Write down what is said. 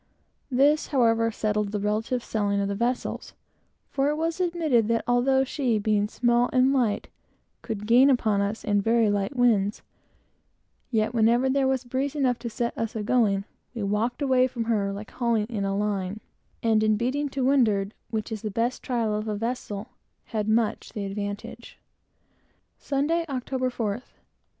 This, however, settled the relative sailing of the vessels, for it was admitted that although she, being small and light, could gain upon us in very light winds, yet whenever there was breeze enough to set us agoing, we walked away from her like hauling in a line; and in beating to windward, which is the best trial of a vessel, we had much the advantage of her. Sunday, Oct. 4th.